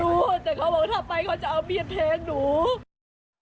รู้แต่เขาบอกว่าถ้าไปเขาจะเอาเบียดเพลงหนู